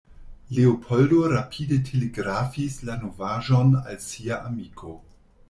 Leopoldo rapide telegrafis la novaĵon al sia amiko.